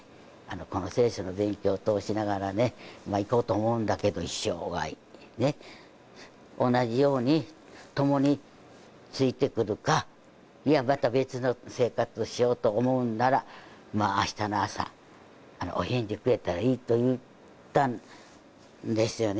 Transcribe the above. この聖書の勉強を通しながらねいこうと思うんだけど一生涯同じようにともについてくるかまた別の生活をしようと思うんなら明日の朝お返事をくれたらいいと言ったんですよね